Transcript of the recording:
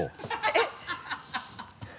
えっ？